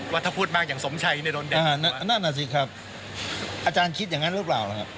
ว่าถ้าพูดมากอย่างสมชัยเนี่ยโดนด่านั่นน่ะสิครับอาจารย์คิดอย่างนั้นหรือเปล่านะครับ